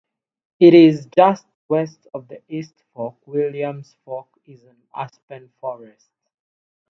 It is just west of the East Fork Williams Fork in an aspen forest.